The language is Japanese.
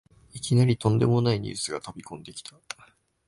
いきなりとんでもないニュースが飛びこんできた